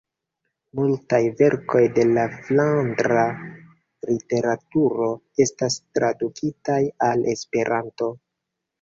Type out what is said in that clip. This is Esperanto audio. Multaj verkoj de la flandra literaturo estas tradukitaj al Esperanto.